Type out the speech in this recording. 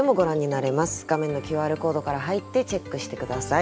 画面のＱＲコードから入ってチェックして下さい。